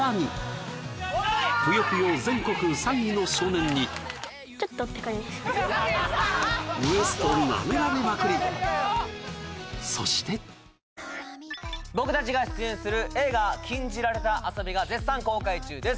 さらにの少年にそして僕達が出演する映画「禁じられた遊び」が絶賛公開中です